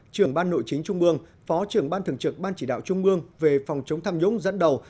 trưởng ban nội chính trung ương phó trưởng ban thường trực ban chỉ đạo trung ương về phòng chống tham nhũng dẫn đầu